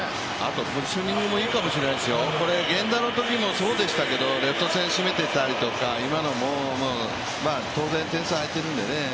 ポジショニングもいいかもしれませんよ、源田のときもそうでしたけどレフト線しめてたりとか今のもスペース空いてるんでね